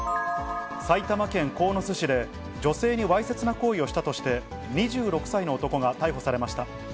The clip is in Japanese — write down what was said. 埼玉県鴻巣市で、女性にわいせつな行為をしたとして、２６歳の男が逮捕されました。